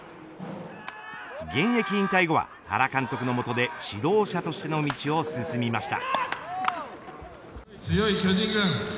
現役引退後は原監督の下で指導者としての道を進みました。